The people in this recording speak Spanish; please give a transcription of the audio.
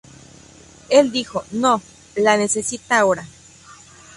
Él dijo 'No, la necesita ahora.